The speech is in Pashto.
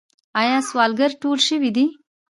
آیا سوالګر ټول شوي دي؟